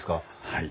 はい。